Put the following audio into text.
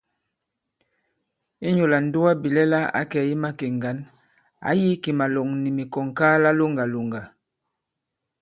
Inyū lā ǹdugabìlɛla ǎ kɛ̀ i makè ŋgǎn, ǎ yī kì màlɔ̀ŋ nì mikɔ̀ŋŋkaala loŋgàlòŋgà.